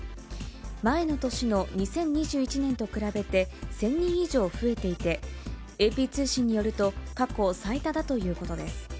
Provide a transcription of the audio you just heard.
前の年の２０２１年と比べて、１０００人以上増えていて、ＡＰ通信によると、過去最多だということです。